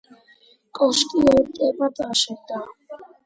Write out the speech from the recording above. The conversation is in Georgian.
კოშკი ორ ეტაპად აშენდა.